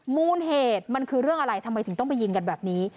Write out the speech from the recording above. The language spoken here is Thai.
มูลเหตุมันคือเรื่องอะไรทำไมถึงต้องไปยิงกันแบบนี้